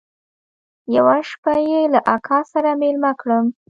يوه شپه يې له اکا سره ميلمه کړم.